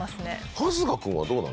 春日君はどうなの？